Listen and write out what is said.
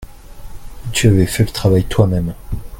Tu avais fait le travail toi-même.